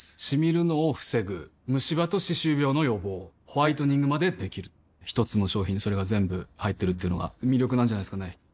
シミるのを防ぐムシ歯と歯周病の予防ホワイトニングまで出来る一つの商品にそれが全部入ってるっていうのが魅力なんじゃないですかね